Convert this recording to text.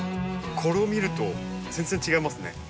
これを見ると全然違いますね。